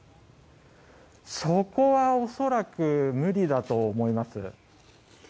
そこは恐らく無理だと思います。